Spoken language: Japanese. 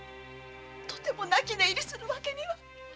とても泣き寝入りする訳には。